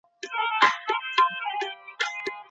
د پولیو واکسین ولي اړین دی؟